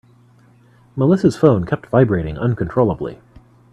Melissa's phone kept vibrating uncontrollably.